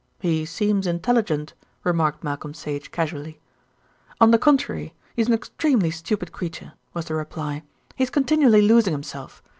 "He seems intelligent?" remarked Malcolm Sage casually. "On the contrary, he is an extremely stupid creature," was the reply. "He is continually losing himself.